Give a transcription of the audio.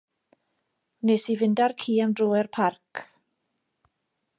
Wnes i fynd â'r ci am dro i'r parc.